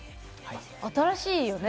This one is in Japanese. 新しいよね。